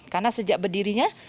karena sejak berdirinya